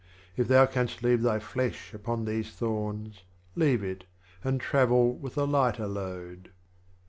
If thou canst leave thy Flesh upon these Thorns, Leave it, and travel with a Lighter Load.